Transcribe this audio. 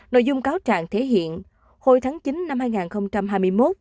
nội dung cáo trạng thể hiện hồi tháng chín năm hai nghìn hai mươi một